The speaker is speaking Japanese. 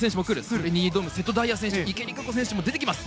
それに挑む瀬戸大也選手池江璃花子選手も出てきます。